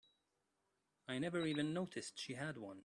I never even noticed she had one.